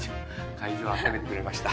会場をあっためてくれました。